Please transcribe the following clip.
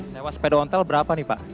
lewat sepeda ontel berapa nih pak